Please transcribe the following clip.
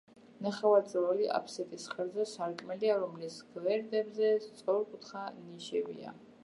ნახევარწრიული აფსიდის ღერძზე სარკმელია, რომლის გვერდებზე სწორკუთხა ნიშებია.